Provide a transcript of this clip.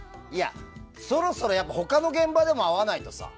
そろそろ他の現場でも会わないとさ。